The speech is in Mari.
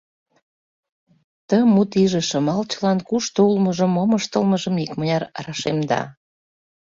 Ты мут иже Шымалчылан кушто улмыжым, мом ыштылмыжым икмыняр рашемда.